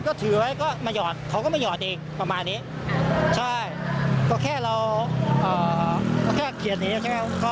ก็ถือไว้ก็มาหยอดเขาก็มาหยอดเอง